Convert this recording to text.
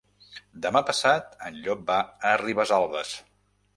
Demà passat en Llop va a Ribesalbes.